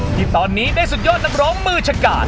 ที่ตอนนี้ได้สุดยอดนักร้องมือชะกาด